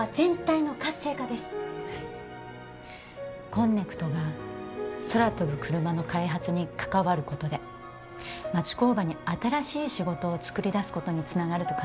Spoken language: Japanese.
こんねくとが空飛ぶクルマの開発に関わることで町工場に新しい仕事を作り出すことにつながると考えてます。